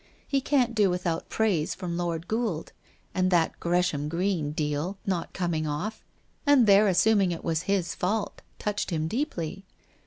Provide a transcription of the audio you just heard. He can't do without praise from Lord Gould, and that Gresham Green deal not com ing off, and their assuming it was his fault, touched him deeply.